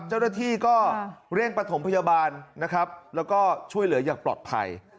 เจ้าหน้าที่ก็เร่งประถมพยาบาลนะครับแล้วก็ช่วยเหลืออย่างปลอดภัย